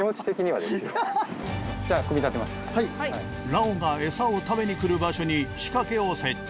はいラオがエサを食べに来る場所に仕掛けを設置